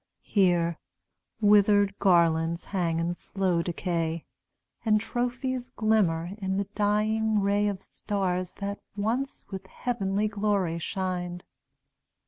Here, withered garlands hang in slow decay, And trophies glimmer in the dying ray Of stars that once with heavenly glory shined.